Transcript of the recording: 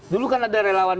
dulu kan ada relawan